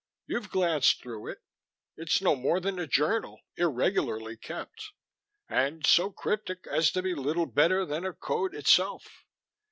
You've glanced through it; it's no more than a journal, irregularly kept, and so cryptic as to be little better than a code itself.